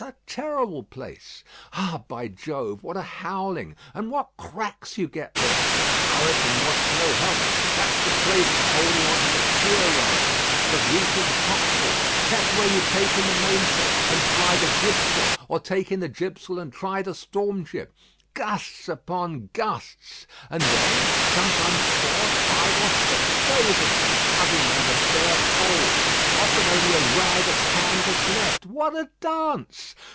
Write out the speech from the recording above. A terrible place. Ah! by Jove, what a howling and what cracks you get there! The hurricane wants no help. That's the place for holding on to the sheer rails; for reefing topsails. That's where you take in the mainsail, and fly the jibsail; or take in the jibsail and try the stormjib. Gusts upon gusts! And then, sometimes four, five, or six days of scudding under bare poles. Often only a rag of canvas left. What a dance!